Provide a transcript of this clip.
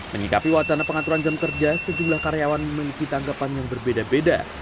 menyikapi wacana pengaturan jam kerja sejumlah karyawan memiliki tanggapan yang berbeda beda